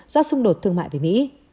do xung đột thương mại với mỹ